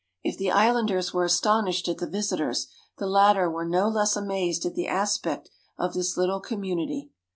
If the islanders were astonished at the visitors, the latter were no less amazed at the aspect of this Httle community.